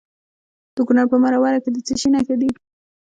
د کونړ په مروره کې د څه شي نښې دي؟